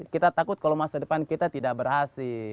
kita takut kalau masa depan kita tidak berhasil